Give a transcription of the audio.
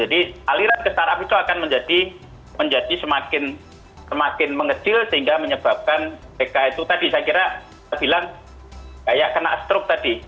jadi aliran ke startup itu akan menjadi semakin mengecil sehingga menyebabkan bk itu tadi saya kira bilang kayak kena stroke tadi